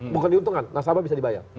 bukan diuntungkan nasabah bisa dibayar